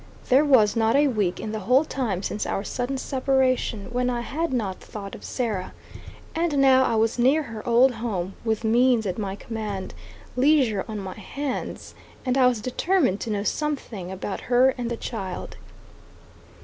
There was not a week in the whole time since our sudden separation when I had not thought of Sarah; and now I was near her old home, with means at my command, leisure on my hands, and I was determined to know something about her and the child.